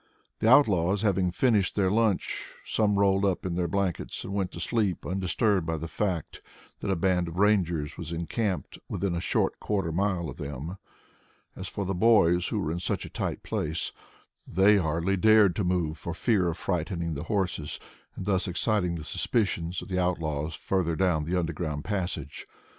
The outlaws having finished their lunch, some rolled up in their blankets and went to sleep undisturbed by the fact that a band of Rangers was encamped within a short quarter of a mile of them. As for the boys who were in such a tight place, they hardly dared move for fear of frightening the horses and thus exciting the suspicions of the outlaws further down the underground passage.